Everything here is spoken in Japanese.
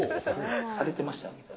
されてました？